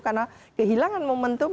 karena kehilangan momentum